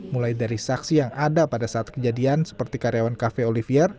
mulai dari saksi yang ada pada saat kejadian seperti karyawan cafe olivier